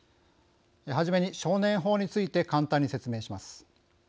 はじめに、少年法について簡単に説明します。